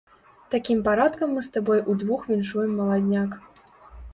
Такім парадкам мы з табой удвух віншуем маладняк.